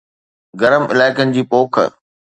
گرم علائقن جي پوک